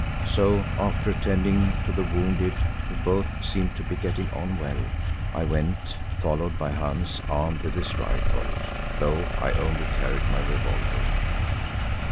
So, after attending to the wounded, who both seemed to be getting on well, I went, followed by Hans armed with his rifle, though I only carried my revolver.